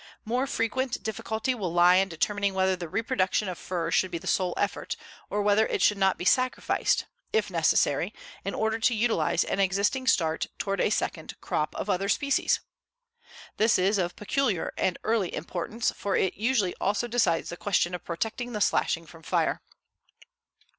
More frequent difficulty will lie in determining whether the reproduction of fir should be the sole effort, or whether it should not be sacrificed, if necessary, in order to utilize an existing start toward a second crop of other species. This is of peculiar and early importance, for it usually also decides the question of protecting the slashing from fire.